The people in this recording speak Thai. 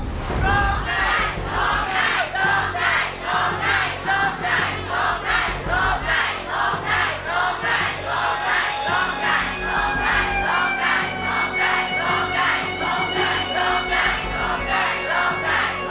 ร้องได้หรือว่าร้องผิดครับ